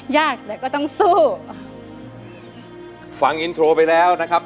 ยากแต่ก็ต้องสู้ฟังอินโทรไปแล้วนะครับ